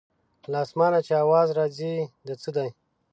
له اسمانه چې اواز راځي د څه دی.